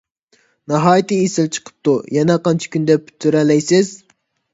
ناھايىتى ئېسىل چىقىپتۇ. يەنە قانچە كۈندە پۈتتۈرەلەيسىز؟